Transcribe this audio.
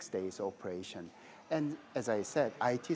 dan seperti yang saya katakan